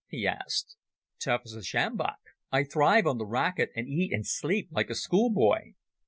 he asked. "Tough as a sjambok. I thrive on the racket and eat and sleep like a schoolboy."